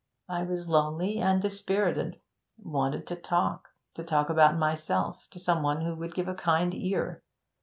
I was lonely and dispirited wanted to talk to talk about myself to some one who would give a kind ear.